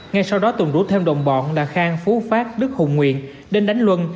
ngay sau đó tùng rút thêm đồn bọn là khang phú phát đức hùng nguyện đến đánh luân